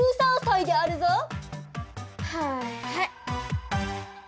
はいはい。